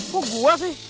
kok gue sih